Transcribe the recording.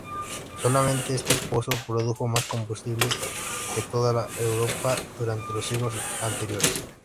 Solamente este pozo produjo más combustible que toda Europa durante los siglos anteriores.